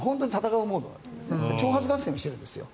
挑発合戦をしているんですよ。